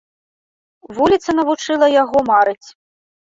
Вуліца навучыла яго марыць.